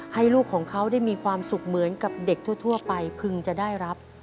ลูกของเขาได้มีความสุขเหมือนกับเด็กทั่วไปพึงจะได้รับ